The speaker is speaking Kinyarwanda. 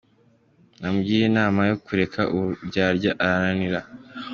Namugiriye inama yo kureka uburyarya arananira.